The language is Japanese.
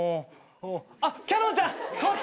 あっキャノンちゃんこっち